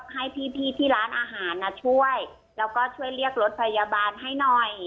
ให้พี่ที่ร้านอาหารช่วยแล้วก็ช่วยเรียกรถพยาบาลให้หน่อย